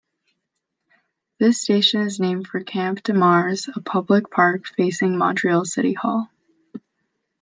This station is named for Champ-de-Mars, a public park facing Montreal City Hall.